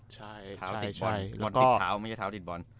ใช่ใช่ใช่มดติดเท้าไม่ใช่เท้าติดบอล